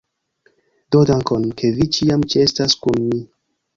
Do dankon! Ke vi ĉiam ĉeestas kun mi!